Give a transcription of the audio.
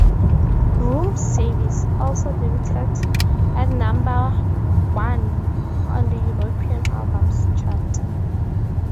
"Room Service" also debuted at number one on the European Albums Chart.